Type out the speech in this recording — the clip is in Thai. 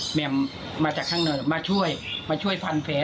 แหม่มมาจากข้างนอกมาช่วยมาช่วยฟันแผล